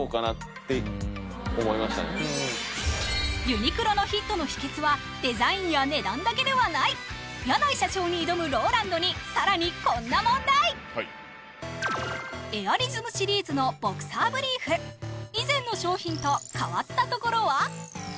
ユニクロのヒットの秘けつはデザインや値段だけではない柳井社長に挑むローランドに更にこんな問題エアリズムシリーズのボクサーブリーフ以前の商品と変わったところは？